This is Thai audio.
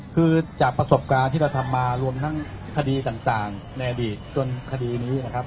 คือจากประสบการณ์ที่เราทำมารวมทั้งคดีต่างในอดีตจนคดีนี้นะครับ